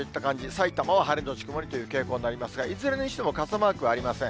さいたまは晴れのち曇りという傾向になりますが、いずれにしても傘マークはありません。